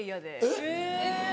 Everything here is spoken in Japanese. えっ？